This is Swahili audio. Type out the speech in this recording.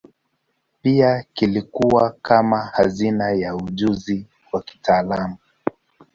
Pia kilikuwa kama hazina ya ujuzi wa kitaalamu.